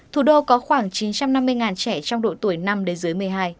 thủ đô có khoảng chín trăm năm mươi trẻ trong độ tuổi năm đến dưới một mươi hai